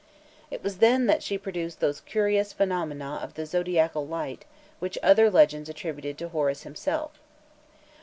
It was then that she produced those curious phenomena of the zodiacal light which other legends attributed to Horus himself.